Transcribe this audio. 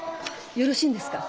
よろしいんですか？